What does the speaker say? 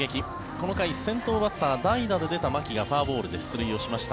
この回、先頭バッター代打で出た牧がフォアボールで出塁しました。